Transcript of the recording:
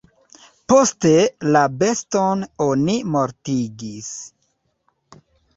Poste la beston oni mortigis.